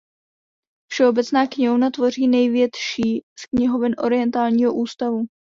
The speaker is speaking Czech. Všeobecná knihovna tvoří největší z knihoven Orientálního ústavu.